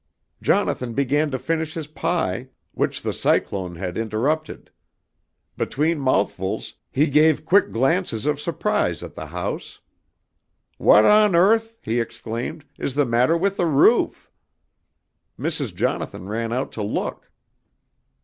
"Jonathan began to finish his pie, which the cyclone had interrupted. Between mouthfuls he gave quick glances of surprise at the house. "'What on earth!' he exclaimed, 'is the matter with the roof?' "Mrs. Jonathan ran out to look.